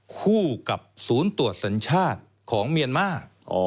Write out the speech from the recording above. คู่กับศูนย์ตรวจสัญชาติของเมียนมาร์